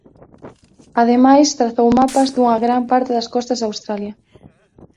Ademais trazou mapas dunha gran parte das costas de Australia.